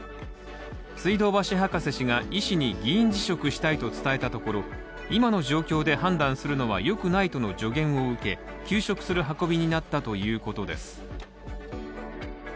水道橋博士氏が医師に議員辞職したいと伝えたところ、今の状況で判断するのは良くないとの助言を受け休職する運びになったということです。